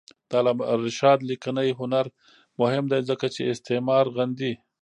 د علامه رشاد لیکنی هنر مهم دی ځکه چې استعمار غندي.